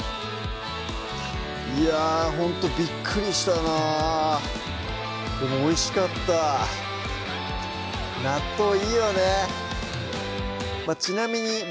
いやほんとビックリしたなでもおいしかった納豆いいよね！